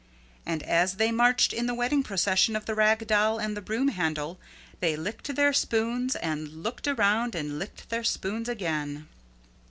And as they marched in the wedding procession of the Rag Doll and the Broom Handle, they licked their spoons and looked around and licked their spoons again.